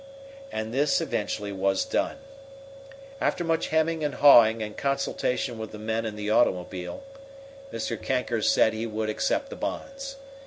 And this, eventually, was done. After much hemming and hawing and consultation with the men in the automobile, Mr. Kanker said he would accept the bonds.